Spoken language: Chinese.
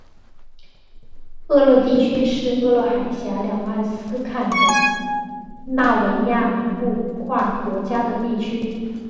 厄勒地区是厄勒海峡两岸斯堪的纳维亚南部跨国家的地区。